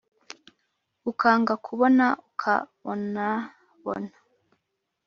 ukanga kubona ukabonabona